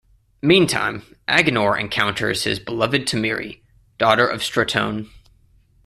Meantime, Agenore encounters his beloved Tamiri, daughter of Stratone.